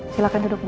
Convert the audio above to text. silakan duduk bu